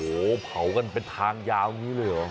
โอ้โหเผากันเป็นทางยาวอย่างนี้เลยเหรอ